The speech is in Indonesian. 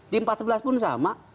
di empat sebelas pun sama